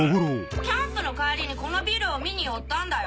キャンプの帰りにこのビルを見に寄ったんだよ。